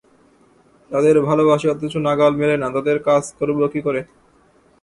যাদের ভালোবাসি অথচ নাগাল মেলে না, তাদের কাজ করব কী করে?